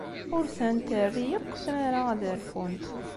Ur tent-terri akk tmara ad rfunt.